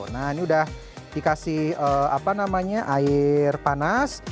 nah ini udah dikasih air panas